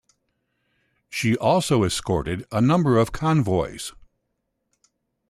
She also escorted a number of convoys.